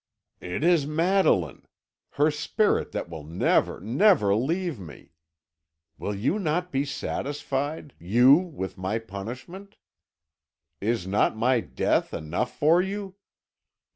"It is Madeline her spirit that will never, never leave me! Will you not be satisfied, you, with my punishment? Is not my death enough for you?